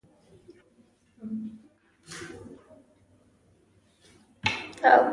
افریقایي متل وایي هوښیاري په میراث نه ده.